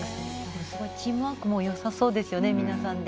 すごいチームワークもよさそうですよね、皆さんで。